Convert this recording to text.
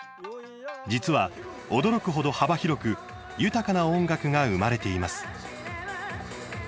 実は、驚くほど幅広く豊かな音楽が生まれています。